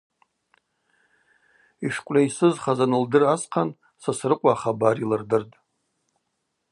Йшкъвльайсызхаз анылдыр асхъан, Сосрыкъва ахабар йлырдыртӏ.